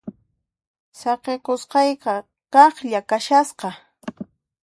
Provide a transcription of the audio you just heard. Saqikusqayqa kaqlla kashasqa.